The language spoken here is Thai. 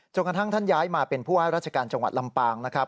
กระทั่งท่านย้ายมาเป็นผู้ว่าราชการจังหวัดลำปางนะครับ